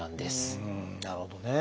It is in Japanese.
なるほどね。